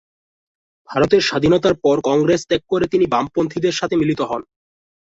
ভারতের স্বাধীনতার পর কংগ্রেস ত্যাগ করে তিনি বামপন্থীদের সাথে মিলিত হন।